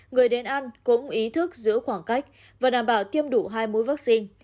người đến ăn cũng ý thức giữ khoảng cách và đảm bảo tiêm đủ hai mũi vaccine